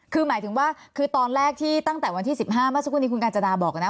คือหมายถึงว่าตั้งแต่วันที่๑๕มคุณกัญจนาบอกว่า